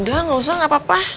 udah gak usah gak apa apa